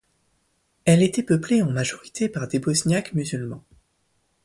Elle était peuplée en majorité par des Bosniaques musulmans.